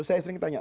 saya sering tanya